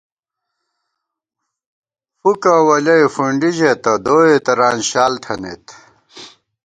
فُکہ ولیَئی فُنڈی ژېتہ ، دوئےتران شال تھنَئیت